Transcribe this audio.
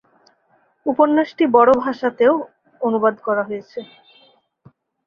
উপন্যাসটি বড়ো ভাষাতেও অনুবাদ করা হয়েছে।